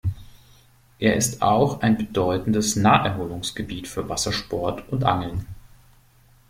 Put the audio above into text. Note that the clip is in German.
Er ist auch ein bedeutendes Naherholungsgebiet für Wassersport und Angeln.